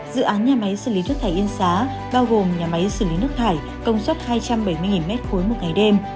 dự án nhà máy xử lý nước thải yên xá bao gồm nhà máy xử lý nước thải công suất hai trăm bảy mươi m ba một ngày đêm